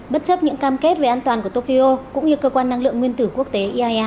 bất chấp những cam kết về an toàn của tokyo cũng như cơ quan năng lượng nguyên tử quốc tế